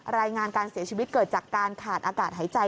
รายงานการเสียชีวิตเกิดจากการขาดอากาศหายใจ